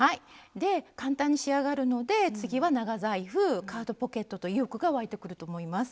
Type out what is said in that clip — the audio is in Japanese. で簡単に仕上がるので次は長財布カードポケットと意欲が湧いてくると思います。